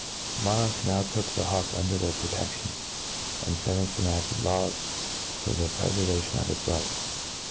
Monarchs now took the hawk under their pro te^ion, and fenates enufted laws for (he prefer vation of its life.